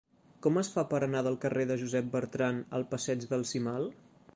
Com es fa per anar del carrer de Josep Bertrand al passeig del Cimal?